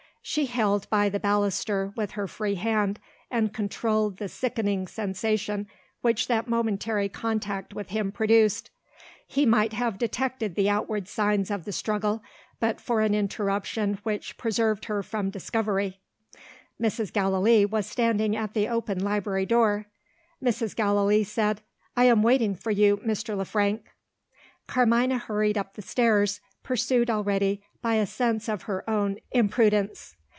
She held by the baluster with her free hand, and controlled the sickening sensation which that momentary contact with him produced. He might have detected the outward signs of the struggle, but for an interruption which preserved her from discovery. Mrs. Gallilee was standing at the open library door. Mrs. Gallilee said, "I am waiting for you, Mr. Le Frank." Carmina hurried up the stairs, pursued already by a sense of her own imprudence.